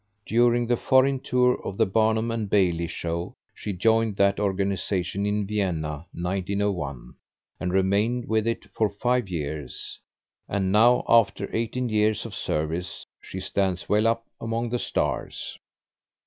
During the foreign tour of the Barnum & Bailey show she joined that Organization in Vienna, 1901, and remained with it for five years, and now, after eighteen years of service, she stands well up among the stars.